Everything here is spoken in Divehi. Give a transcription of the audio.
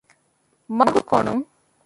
މަގުކޮނުން